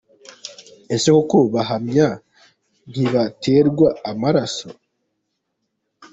Ese koko abahamya ntibaterwa amaraso ?.